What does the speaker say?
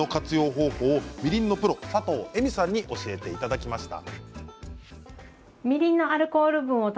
方法みりんのプロ、佐藤恵美さんに教えていただきました。